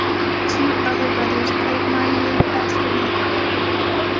Two other brothers played minor league basketball.